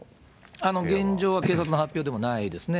現状は警察の発表でもないですね。